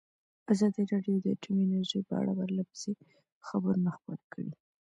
ازادي راډیو د اټومي انرژي په اړه پرله پسې خبرونه خپاره کړي.